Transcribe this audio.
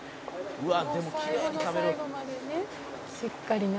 「うわっきれいに食べるな！」